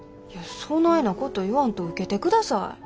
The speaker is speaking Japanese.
いやそないなこと言わんと受けてください。